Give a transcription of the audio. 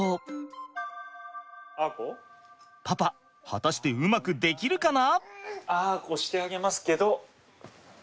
パパ果たしてうまくできるかな？